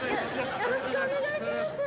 よろしくお願いします。